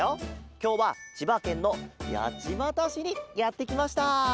きょうはちばけんのやちまたしにやってきました。